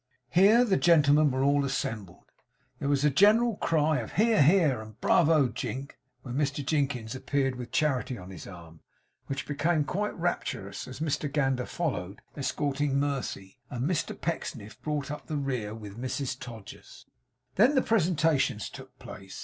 Here the gentlemen were all assembled. There was a general cry of 'Hear, hear!' and 'Bravo Jink!' when Mr Jinkins appeared with Charity on his arm; which became quite rapturous as Mr Gander followed, escorting Mercy, and Mr Pecksniff brought up the rear with Mrs Todgers. Then the presentations took place.